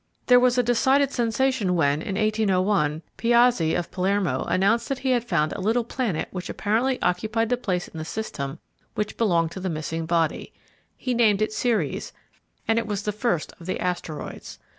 There was a decided sensation when, in 1801, Piazzi, of Palermo, announced that he had found a little planet which apparently occupied the place in the system which belonged to the missing body. He named it Ceres, and it was the first of the Asteroids.